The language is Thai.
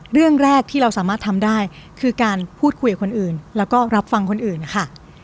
เรื่องแรกที่เราสามารถทำได้คือการพูดคุยกับคนอื่นแล้วก็รับฟังคนอื่นค่ะ